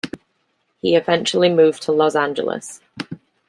He eventually moved to Los Angeles.